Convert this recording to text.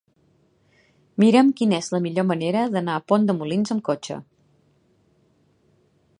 Mira'm quina és la millor manera d'anar a Pont de Molins amb cotxe.